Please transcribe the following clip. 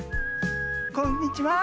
こんにちは。